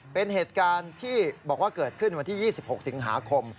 เป็นเหตุการณ์ที่บอกว่าเกิดขึ้นวันที่๒๖สิงหาคม